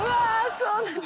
そうなんだ。